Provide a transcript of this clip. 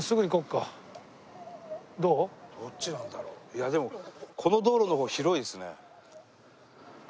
いやでもこの道路の方広いですね。